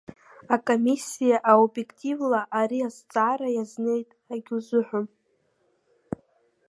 Акомиссиа обиектив-ла ари азҵаара иазнеит, агьузыҳәом.